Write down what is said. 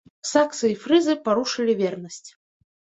Саксы і фрызы парушылі вернасць.